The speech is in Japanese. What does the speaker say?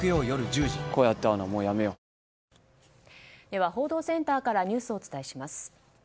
では、報道センターからニュースをお伝えします。